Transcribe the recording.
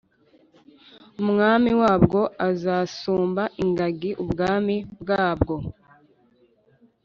Umwami wabwo azasumba ingagi ubwami bwabwo